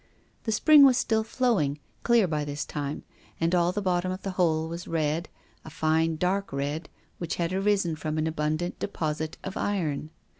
The spring was still flowing, clear by this time, and all the bottom of the hole was red, a fine, dark red, which had arisen from an abundant deposit of iron.